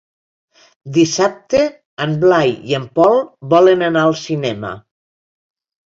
Dissabte en Blai i en Pol volen anar al cinema.